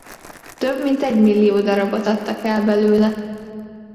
Több mint egymillió darabot adtak el belőle.